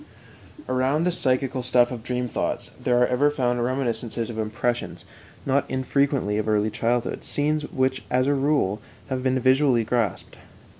Around the psychical stuff of dream thoughts there are ever found reminiscences of impressions, not infrequently of early childhood scenes which, as a rule, have been visually grasped.